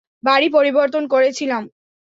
বাড়ী পরিবর্তন করেছিলাম।